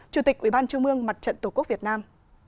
chủ tịch ubnd tổ quốc việt nam